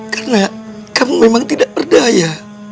karena kamu memang tidak berdaya